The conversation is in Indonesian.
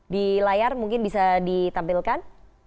di layar mungkin bisa ditampilkan